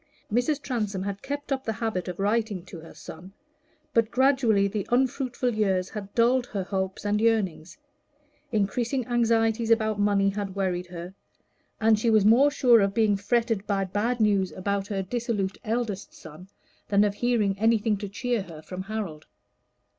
Mrs. Transome had kept up the habit of writing to her son, but gradually the unfruitful years had dulled her hopes and yearnings; increasing anxieties about money had worried her, and she was more sure of being fretted by bad news about her dissolute eldest son than of hearing anything to cheer her from Harold.